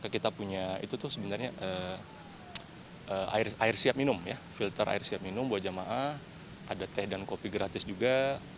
kita punya air siap minum filter air siap minum buah jamaah ada teh dan kopi gratis juga